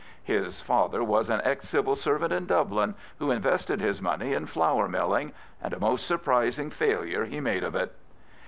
His father was an ex Civil servant in Dublin, who invested his money in flour milling —" and a most surprising failure he made of it."